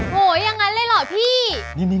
โหอย่างนั้นเลยเหรอพี่